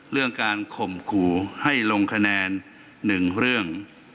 เรื่องการข่มขู่ให้ลงคะแนน๑เรื่อง